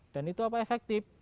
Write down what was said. dan itu apa efektif